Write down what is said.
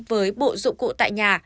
với bộ dụng cụ tại nhà